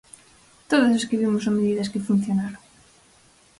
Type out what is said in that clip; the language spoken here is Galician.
Todas as que vimos son medidas que funcionaron.